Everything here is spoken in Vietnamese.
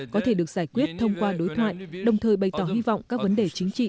có thể được giải quyết thông qua đối thoại đồng thời bày tỏ hy vọng các vấn đề chính trị